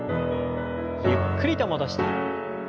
ゆっくりと戻して。